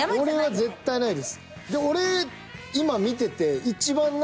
絶対ないです。